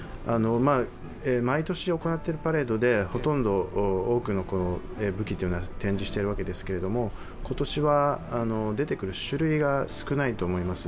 毎年行っているパレードで、多くの武器は展示しているわけですけども、今年は出てくる種類が少ないと思います。